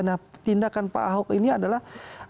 nah tindakan pak ahok ini adalah